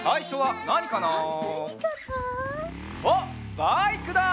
バイクだ！